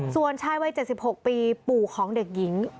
ส่วนชายวัย๗๖ปีปู่ของเด็กหญิง